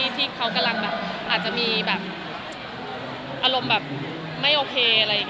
ที่เขากำลังอาจจะมีอารมณ์ไม่โอเค